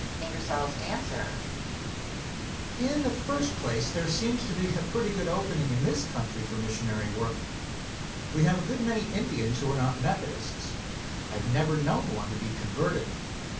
Answer. In the first place, there seems to be a pretty good opening in this country for missionary work. We have a good many Indians who are not Methodists. I have never known one to be converted.